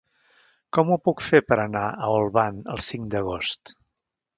Com ho puc fer per anar a Olvan el cinc d'agost?